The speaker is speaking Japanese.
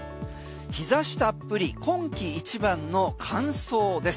日差したっぷり今季一番の乾燥です。